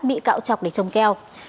bị cạo chọc để trồng keo